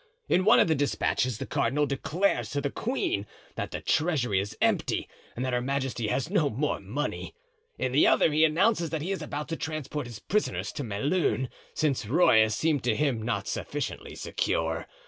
In one of the despatches the cardinal declares to the queen that the treasury is empty and that her majesty has no more money. In the other he announces that he is about to transport his prisoners to Melun, since Rueil seemed to him not sufficiently secure.